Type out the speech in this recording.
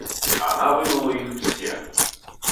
Она вынула их все.